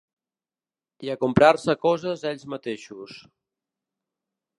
I a comprar-se coses ells mateixos.